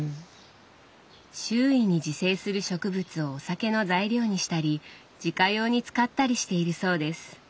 周囲に自生する植物をお酒の材料にしたり自家用に使ったりしているそうです。